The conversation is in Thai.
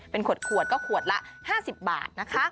เป็นขวดก็ขวดละ๕๐บาทนะคะ